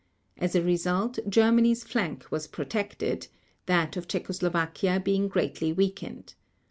As a result Germany's flank was protected, that of Czechoslovakia being greatly weakened.